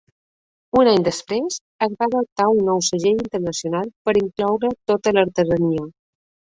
Un any després, es va adoptar un nou segell internacional per incloure tota la artesania.